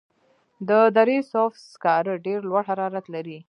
د دره صوف سکاره ډیر لوړ حرارت لري.